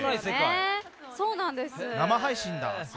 生配信だ。